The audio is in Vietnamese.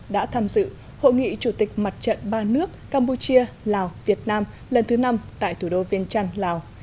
đã tham dự hội nghị chủ tịch mặt trận ba nước campuchia lào việt nam lần thứ năm tại thủ đô viên trăn lào